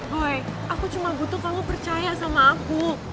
hoy aku cuma butuh kamu percaya sama aku